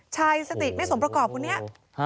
ชายสติไม่สมประกอบคนนี้